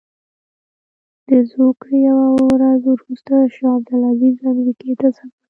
د زوکړې یوه ورځ وروسته شاه عبدالعزیز امریکې ته سفر وکړ.